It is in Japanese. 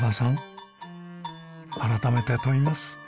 改めて問います。